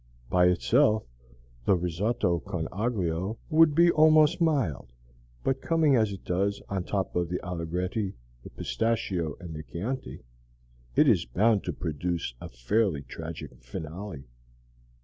By itself, the Risotto con aglio would be almost mild; but coming as it does on top of the Allegretti, the Pistachio, and the Chianti, it is bound to produce a truly tragic finale.